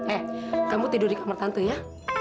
eh kamu tidur di kamar tantu ya